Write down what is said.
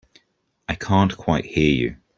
I can't quite hear you.